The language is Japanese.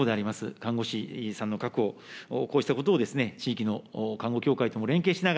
看護師さんの確保、こうしたことを地域の看護協会とも連携しなが